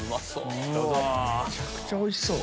めちゃくちゃおいしそう。